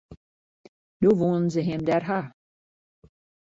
Doe woenen se him dêr ha.